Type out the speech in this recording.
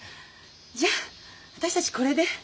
じゃあ私たちこれで。